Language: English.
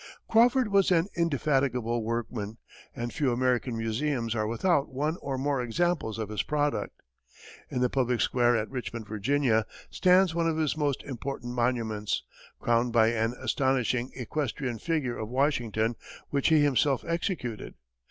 Crawford was an indefatigable workman, and few American museums are without one or more examples of his product. In the public square at Richmond, Virginia, stands one of his most important monuments, crowned by an astonishing equestrian figure of Washington, which he himself executed.